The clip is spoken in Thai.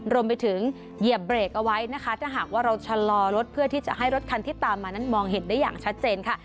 เหยียบเบรกเอาไว้นะคะถ้าหากว่าเราชะลอรถเพื่อที่จะให้รถคันที่ตามมานั้นมองเห็นได้อย่างชัดเจนค่ะ